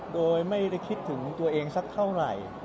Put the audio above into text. โดยไม่ได้คิดถึงตัวเองสักเท่าไหร่